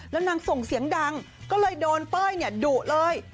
แล้วนางส่งเสียงดังก็เลยโดนเป้ยดุเลย